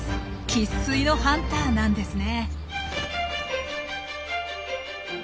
生っ粋のハンターなんですね。